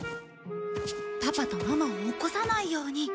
パパとママを起こさないように。